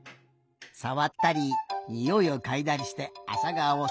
さわったりにおいをかいだりしてあさがおをそだてておいで。